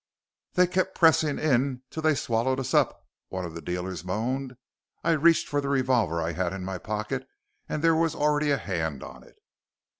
"They kept pressing in till they swallowed us up," one of the dealers moaned. "I reached for the revolver I had in my pocket and there was already a hand on it...."